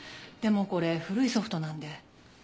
でもこれ古いソフトなんで。